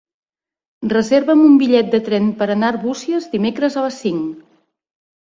Reserva'm un bitllet de tren per anar a Arbúcies dimecres a les cinc.